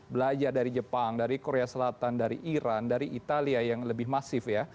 belajar dari jepang dari korea selatan dari iran dari italia yang lebih masif ya